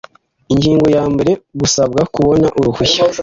ingingo ya mbere gusabwa kubona uruhushya